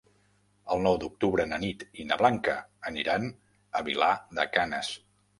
El nou d'octubre na Nit i na Blanca aniran a Vilar de Canes.